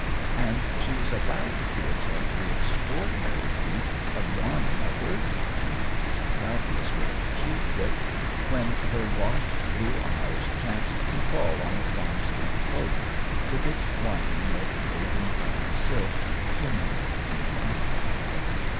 And she was about to attempt the extraordinary feat of yawning a third time and doubtless would have achieved it when her washed blue eyes chanced to fall on the fawn skin coat, with its lining of golden brown silk shimmering in the lamplight.